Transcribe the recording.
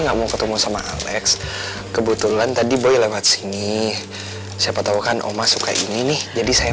nggak mau ketemu sama alex kebetulan tadi boy lewat sini siapa tahu kan oma suka ini nih jadi saya